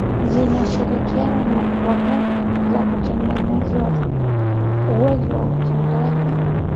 zinashirikiana na programu za kutegemeza uwezo wa utendaji